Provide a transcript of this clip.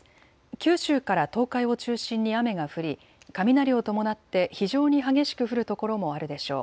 九州から東海を中心に雨が降り雷を伴って非常に激しく降る所もあるでしょう。